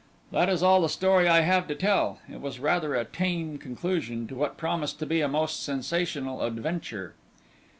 That is all the story I have to tell. It was rather a tame conclusion to what promised to be a most sensational adventure."